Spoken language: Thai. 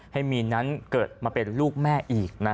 ให้มีนนั้นเกิดมาเป็นลูกแม่อีก